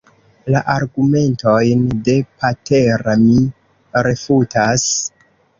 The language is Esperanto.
La argumentojn de Patera mi refutas.